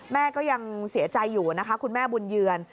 แม่ก็ยังเสียใจอยู่นะคะคุณแม่บุญเยือน